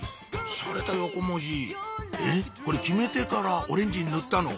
しゃれた横文字えっこれ決めてからオレンジに塗ったの？